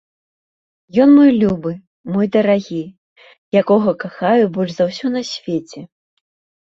Ён мой любы, мой дарагі, якога кахаю больш за ўсё на свеце.